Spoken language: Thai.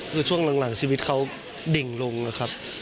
คือช่วงหลังชีวิตเขาดิ่งลงนะครับ